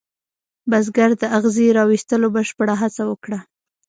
بزګر د اغزي را ویستلو بشپړه هڅه وکړه.